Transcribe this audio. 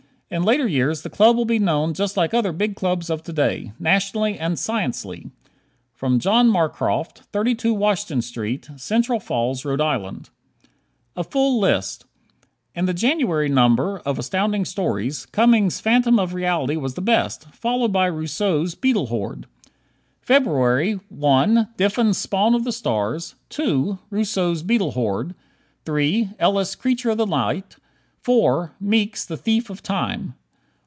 In later years the club will be known just like other big clubs of to day, "Nationally and Sciencelly." John Marcroft, 32 Washington St., Central Falls, R. I. A Full List In the January number of Astounding Stories Cummings' "Phantom of Reality" was the best, followed by Rousseau's "Beetle Horde." February: 1 Diffin's "Spawn of the Stars"; 2 Rousseau's "Beetle Horde"; 3 Ellis' "Creatures of the Light"; 4 Meek's "The Thief of Time."